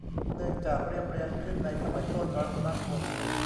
เนื่องจากเรียบเรียงขึ้นในสมัยต้นรัตนโกสินทร์